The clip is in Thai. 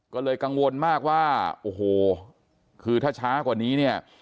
ก็เลยกังวลมากว่าโอ้โหคือถ้าช้ากว่านี้เนี่ย